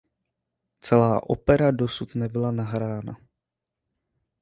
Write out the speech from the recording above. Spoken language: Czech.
Celá opera dosud nebyla nahrána.